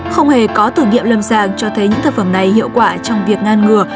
không hề có thử nghiệm lâm sàng cho thấy những thực phẩm này hiệu quả trong việc ngăn ngừa